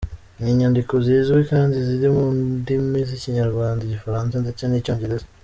Ni inyandiko zizwi kandi ziri mu ndimi z’Ikinyarwanda, Igifaransa ndetse n’Icyongereza.